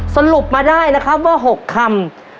สรุปมาได้นะครับว่า๖คำ